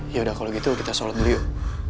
yaudah kalo gitu kita sholat dulu yuk